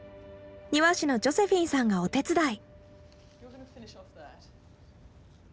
庭師のジョセフィンさんがお手伝い。